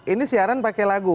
ini siaran pakai lagu